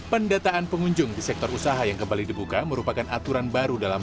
pendataan pengunjung di sektor usaha yang kembali dibuka merupakan aturan baru dalam